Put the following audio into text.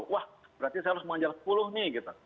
wah berarti saya harus mengejar sepuluh nih gitu